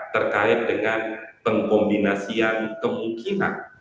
terkait dengan pengkombinasian kemungkinan